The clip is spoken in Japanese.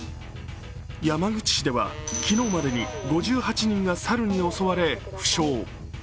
山口市では昨日までに５８人が猿に襲われ負傷。